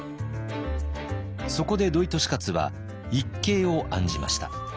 そこで土井利勝は一計を案じました。